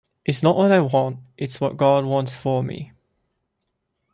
It's not what I want; it's what God wants for me.